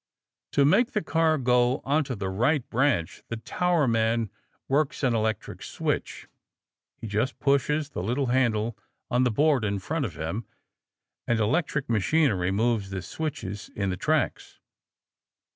To make the car go onto the right branch, the towerman works an electric switch. He just pushes little handles on the board in front of him, and electric machinery moves the switches in the tracks.